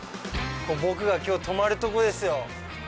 僕がきょう、泊まるところですよ。